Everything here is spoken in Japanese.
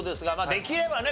できればね